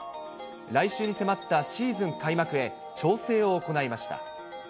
来週に迫ったシーズン開幕へ、調整を行いました。